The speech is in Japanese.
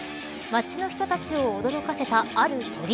街の人たちを驚かせたある鳥。